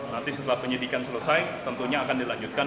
nanti setelah penyidikan selesai tentunya akan dilanjutkan